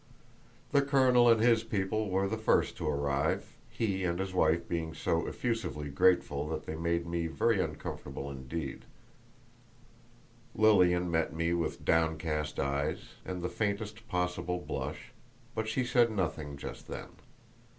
The colonel and his people were the first to arrive, he and his wife being so effusively grateful that they made me very uncomfortable indeed; Lilian met me with downcast eyes and the faintest possible blush, but she said nothing just then.